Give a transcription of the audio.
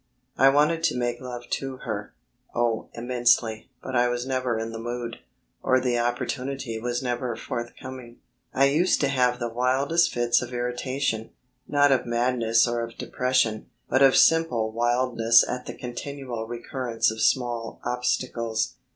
I wanted to make love to her oh, immensely, but I was never in the mood, or the opportunity was never forthcoming. I used to have the wildest fits of irritation; not of madness or of depression, but of simple wildness at the continual recurrence of small obstacles.